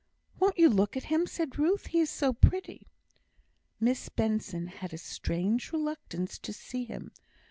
"Won't you look at him?" said Ruth; "he is so pretty!" Miss Benson had a strange reluctance to see him.